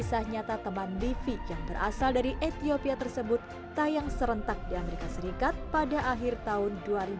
kisah nyata teman livi yang berasal dari ethiopia tersebut tayang serentak di amerika serikat pada akhir tahun dua ribu dua puluh